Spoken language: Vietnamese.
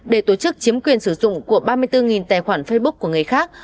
để tổ chức chiếm quyền sử dụng của ba mươi bốn tài khoản facebook của người khác